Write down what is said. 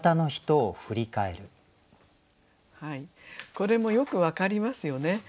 これもよく分かりますよね。